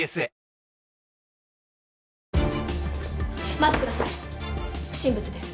待って下さい不審物です。